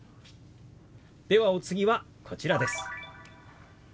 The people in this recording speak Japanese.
ではお次はこちらです。